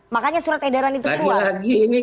makanya surat edaran itu keluar